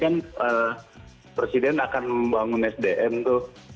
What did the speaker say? kan presiden akan membangun sdm tuh